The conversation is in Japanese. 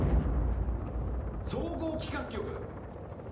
総合企画局。